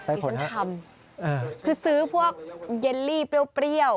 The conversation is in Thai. ได้ผลฮะดิฉันทำคือซื้อพวกยานลี่เปรี้ยวเปรี้ยว